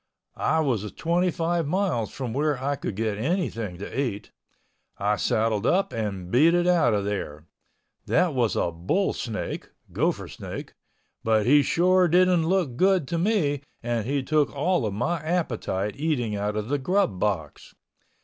I was twenty five miles from where I could get anything to eat. I saddled up and beat it out of there. That was a bull snake (Gopher Snake) but he sure didn't look good to me and he took all of my appetite, eating out of the grub box.